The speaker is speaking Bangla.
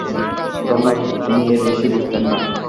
ধর্ম বলতে তিনি এর বেশী বুঝতেন না।